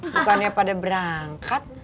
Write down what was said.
bukannya pada berangkat